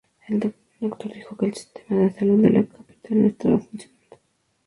Un doctor dijo que el sistema de salud de la capital no estaba funcionando.